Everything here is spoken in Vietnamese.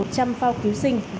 bốn một trăm linh phao cứu sinh